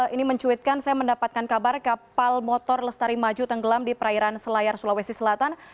ini mencuitkan saya mendapatkan kabar kapal motor lestari maju tenggelam di perairan selayar sulawesi selatan